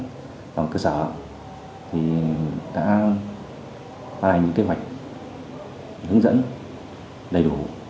để động cơ sở để từng phần tiêu chuẩn như vậy